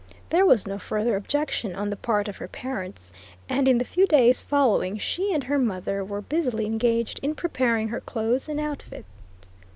There was no further objection on the part of her parents, and in the few days following she and her mother were busily engaged in preparing her clothes and outfit.